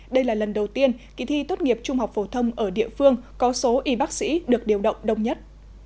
đây là lần đầu tiên kỳ thi tốt nghiệp trung học phổ thông ở địa phương có số y bác sĩ được điều động đông nhất